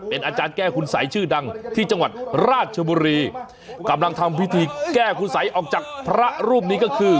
เป็นอาจารย์แก้คุณสัยชื่อดังที่จังหวัดราชบุรีกำลังทำพิธีแก้คุณสัยออกจากพระรูปนี้ก็คือ